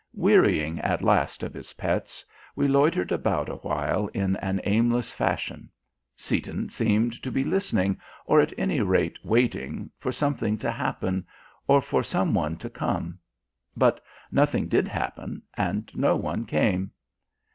Wearying at last of his pets, we loitered about awhile in an aimless fashion. Seaton seemed to be listening, or at any rate waiting, for something to happen or for some one to come. But nothing did happen and no one came.